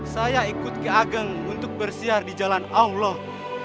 saya ikut ke ageng untuk bersiar di jalan allah